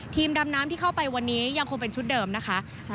ดำน้ำที่เข้าไปวันนี้ยังคงเป็นชุดเดิมนะคะ